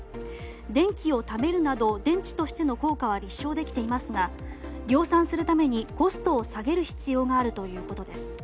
電気をためるなど電池としての効果は立証できていますが量産するためにコストを下げる必要があるということです。